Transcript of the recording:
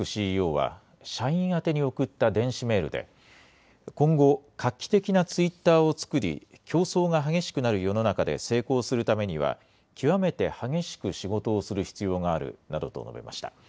ＣＥＯは社員宛に送った電子メールで、今後画期的なツイッターを作り競争が激しくなる世の中で成功するためには極めて激しく仕事をする必要があるなどと述べました。